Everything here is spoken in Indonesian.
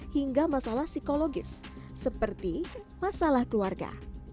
hingga masalah psikologis seperti masalah keluarga